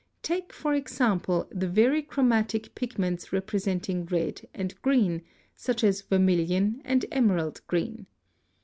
Take, for example, the very chromatic pigments representing red and green, such as vermilion and emerald green.